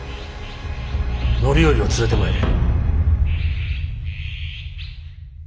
範頼を連れてまいれ。